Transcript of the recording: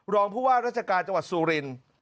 รองผู้ว่าราชการจังหวัดสุรินทร์